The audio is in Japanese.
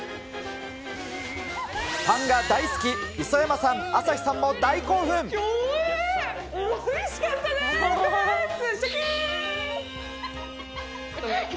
パンが大好き、磯山さん、朝日さパン激戦区！